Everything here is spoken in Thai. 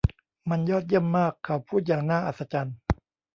มันยอดเยี่ยมมากเขาพูดอย่างน่าอัศจรรย์